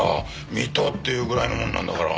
水戸っていうぐらいのもんなんだから。